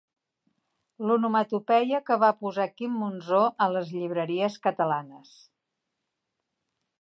L'onomatopeia que va posar Quim Monzó a les llibreries catalanes.